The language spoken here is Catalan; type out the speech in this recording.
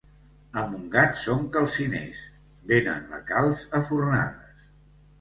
A Montgat són calciners, venen la calç a fornades.